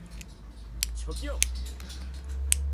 저기요!